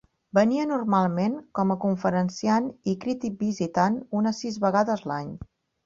Venia normalment com a conferenciant i crític visitant unes sis vegades l'any.